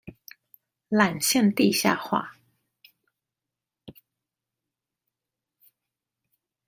纜線地下化